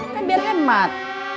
kan biar hemat